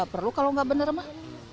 gak perlu kalau gak benar mah